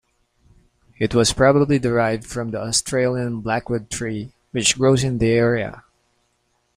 It was probably derived from the Australian Blackwood tree which grows in the area.